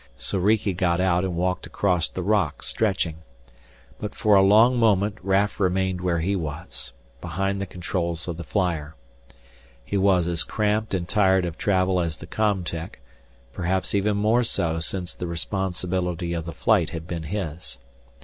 Soriki got out and walked across the rock, stretching. But for a long moment Raf remained where he was, behind the controls of the flyer. He was as cramped and tired of travel as the com tech, perhaps even more so since the responsibility of the flight had been his.